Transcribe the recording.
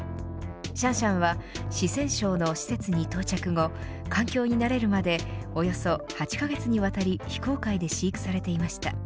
シャンシャンは四川省の施設に到着後環境に慣れるまでおよそ８カ月にわたり非公開で飼育されていました。